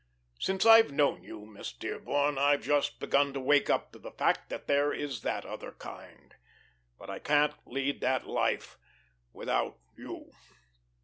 Since I've known you, Miss Dearborn, I've just begun to wake up to the fact that there is that other kind, but I can't lead that life without you.